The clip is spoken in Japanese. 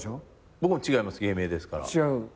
僕も違います芸名ですから。